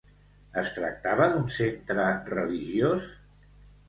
Es tractava d'un centre religiós?